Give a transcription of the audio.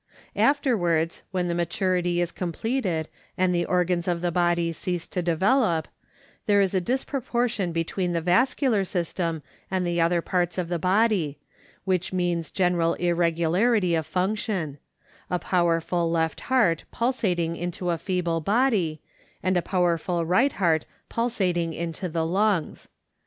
Afterwards, when the maturity is completed and the organs of the body cease to develop, there is a disproportion between the vascular system and the other parts of the body, which means general irregularity of function ; a powerful left heart pulsating into a feeble body, and a powerful right heart pulsating into the lungs.